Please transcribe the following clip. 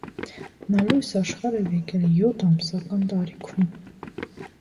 Նա լույս աշխարհ էր եկել յոթ ամսական տարիքում։